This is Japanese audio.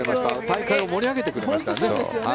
大会を盛り上げてくれましたね。